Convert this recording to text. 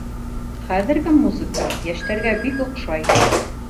Хәҙерге музыка йәштәргә бик оҡшай